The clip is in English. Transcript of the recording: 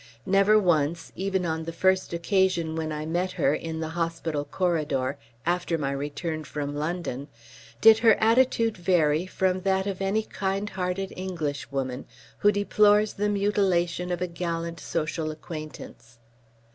Never once, even on the first occasion when I met her in the hospital corridor after my return from London, did her attitude vary from that of any kind hearted Englishwoman who deplores the mutilation of a gallant social acquaintance.